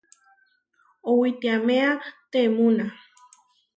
Owitíamea temúna.